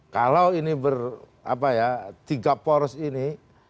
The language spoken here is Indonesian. kalau ini berapa ya tiga poros ini